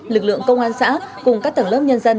lực lượng công an xã cùng các tầng lớp nhân dân